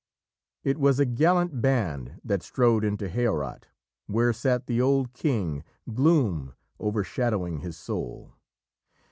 It was a gallant band that strode into Heorot, where sat the old king, gloom overshadowing his soul.